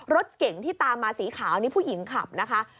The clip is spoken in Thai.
รถเก่งที่ตามมาสีขาวนี่ผู้หญิงขับนะคะ